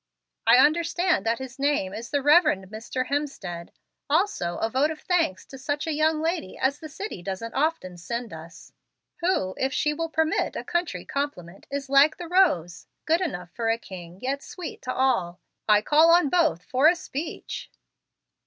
I understand that his name is the Rev. Mr. Hemstead. Also a vote of thanks to such a young lady as the city doesn't often send us, who, if she will permit a country compliment, is like the rose, good enough for a king, yet sweet to all. I call on both for a speech."